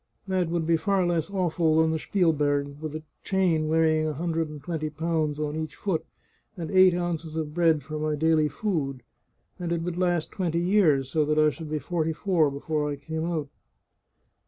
That would be far less awful than the Spielberg, with a chain weighing a hundred and twenty pounds on each foot, and eight ounces of bread for my daily food. And it would last twenty years, so that I should be forty four before I came out."